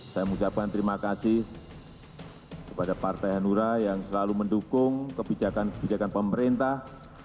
saya mengucapkan terima kasih kepada partai hanura yang selalu mendukung kebijakan kebijakan pemerintah